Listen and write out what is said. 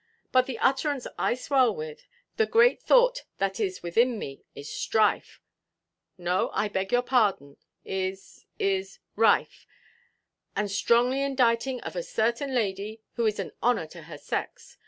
But the utterance I swell with, the great thought that is within me, is strife—no, I beg your pardon—is—is—rife and strongly inditing of a certain lady, who is an honour to her sex.